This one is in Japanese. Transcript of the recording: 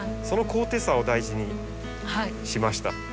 その高低差を大事にしました。